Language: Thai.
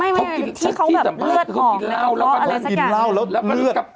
ไม่ที่เขาแบบเลือดออกแล้วเขาล้ออะไรสักอย่างแล้วมันกลับเลือดออก